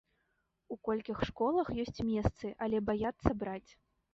У колькіх школах ёсць месцы, але баяцца браць.